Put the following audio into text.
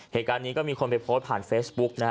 เหตุการณ์นี้ก็มีคนไปโพสต์ผ่านเฟซบุ๊กนะฮะ